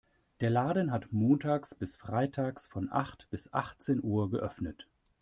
Der Laden hat montags bis freitags von acht bis achtzehn Uhr geöffnet.